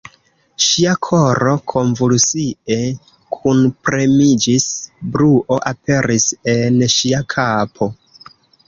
Ŝia koro konvulsie kunpremiĝis, bruo aperis en ŝia kapo.